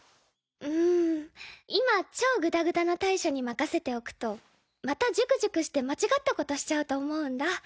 うん今超グダグダな大赦に任せておくとまたジュクジュクして間違ったことしちゃうと思うんだ。